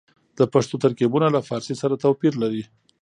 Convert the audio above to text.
د پښتو ترکيبونه له فارسي سره توپير لري.